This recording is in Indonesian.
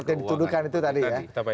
yang dituduhkan itu tadi ya